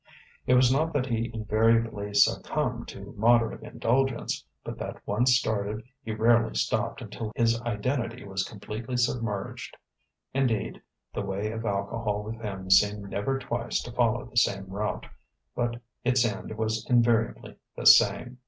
It was not that he invariably succumbed to moderate indulgence, but that once started he rarely stopped until his identity was completely submerged. Indeed, the way of alcohol with him seemed never twice to follow the same route; but its end was invariably the same.